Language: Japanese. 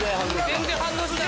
全然反応しない。